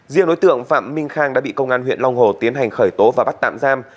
riêng đối tượng phạm minh khang đã bị công an huyện long hồ tiến hành khởi tố và bắt tạm giam